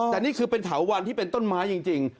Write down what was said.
แต่นี่คือเป็นเถาวันที่เป็นต้นไม้จริง